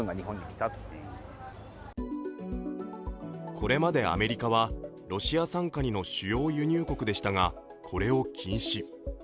これまでアメリカはロシア産カニの主要輸入国でしたが、これを禁止。